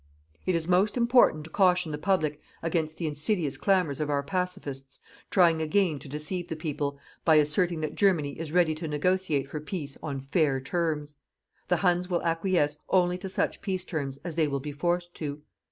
It is most important to caution the public against the insidious clamours of our "pacifists", trying again to deceive the people by asserting that Germany is ready to negotiate for peace on fair terms. The Huns will acquiesce only to such peace terms as they will be forced to.